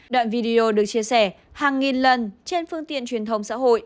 đoạn video được chia sẻ hàng nghìn lần trên phương tiện truyền thông xã hội